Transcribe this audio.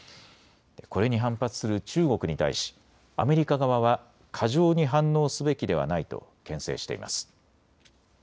これに反発する中国に対しアメリカ側は過剰に反応すべきではないとけん制しています。